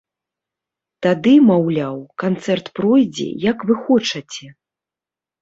Тады, маўляў, канцэрт пройдзе, як вы хочаце.